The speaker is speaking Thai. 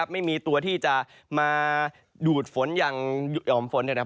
ไม่มีตัวที่จะมาดูดฝนอย่างยอมฝนเดียวนะครับ